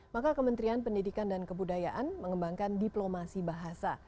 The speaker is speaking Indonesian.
maka kementerian pendidikan dan kebudayaan mengembangkan diplomasi bahasa